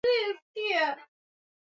Siku nzuri kwangu ni leo